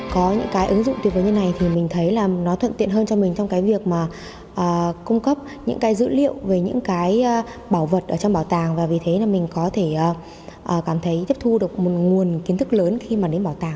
có những cái ứng dụng tuyệt vời như này thì mình thấy là nó thuận tiện hơn cho mình trong cái việc mà cung cấp những cái dữ liệu về những cái bảo vật ở trong bảo tàng và vì thế là mình có thể cảm thấy tiếp thu được một nguồn kiến thức lớn khi mà đến bảo tàng